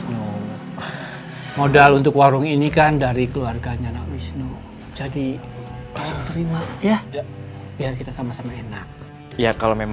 ya uang ini saya terima